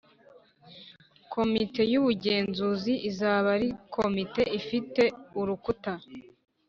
Komite y Ubugenzuzi izaba ari Komite ifite urukuta